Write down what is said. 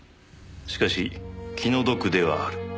「しかし気の毒ではある」